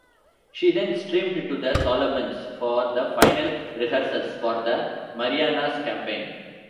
She then steamed to the Solomons for the final rehearsals for the Marianas campaign.